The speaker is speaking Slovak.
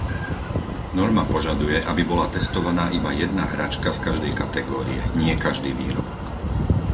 Norma požaduje, aby bola testovaná iba jedna hračka z každej kategórie, nie každý výrobok.